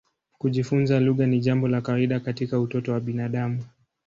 Kujifunza lugha ni jambo la kawaida katika utoto wa binadamu.